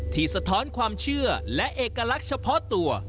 สะท้อนความเชื่อและเอกลักษณ์เฉพาะตัว